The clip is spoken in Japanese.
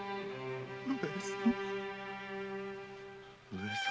上様。